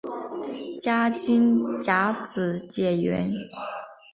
嘉靖甲子解元。